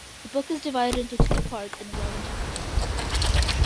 The book is divided into two parts and eleven chapters.